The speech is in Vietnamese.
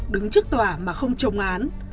đứng trước tòa mà không trồng án